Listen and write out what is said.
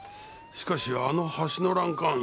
しかしあの橋の欄干